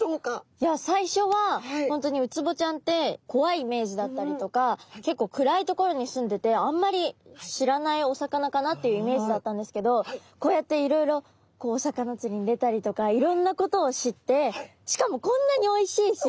いや最初は本当にウツボちゃんってこわいイメージだったりとか結構暗い所に住んでてあんまり知らないお魚かなっていうイメージだったんですけどこうやっていろいろこうお魚つりに出たりとかいろんなことを知ってしかもこんなにおいしいし。